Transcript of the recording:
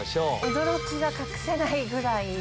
驚きが隠せないぐらい。